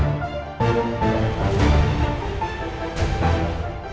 masih masih yakin